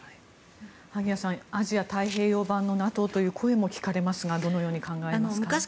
萩谷さんアジア太平洋版のＮＡＴＯという声も聞かれますがどのように考えますか。